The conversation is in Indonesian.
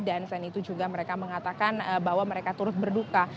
dan selain itu juga mereka mengatakan bahwa mereka terus berduka